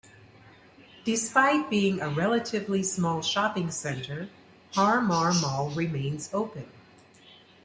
Despite being a relatively small shopping center, Har Mar Mall remains open.